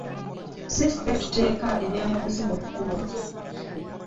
Si ffe tuteeka ebyamaguzi mu kkubo.